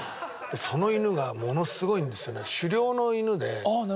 その犬がものすごいんですよね。